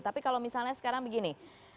tapi kalau misalnya sekarang begini